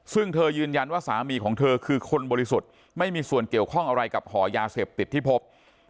ซึ่งเธอยืนยันว่าสามีของเธอคือคนบริสุทธิ์ไม่มีส่วนเกี่ยวข้องอะไรกับหอยาเสพติดที่พบ